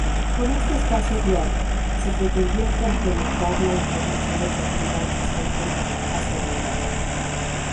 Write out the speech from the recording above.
Con este espacio diario, se pretendía complementar la información deportiva existente hasta el momento.